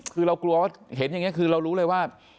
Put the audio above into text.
คือเรากลัวว่าเห็นอย่างนี้คือเรารู้เลยว่า